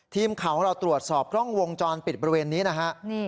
ทีมข่าวของเราตรวจสอบกล้องวงจรปิดบริเวณนี้นะฮะ